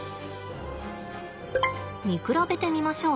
見比べてみましょう。